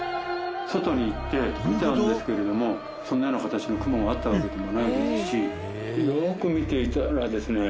外に行って見たんですけれどもそんなような形の雲があったわけでもないですしよく見ていたらですね